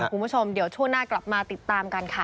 คุณผู้ชมเดี๋ยวช่วงหน้ากลับมาติดตามกันค่ะ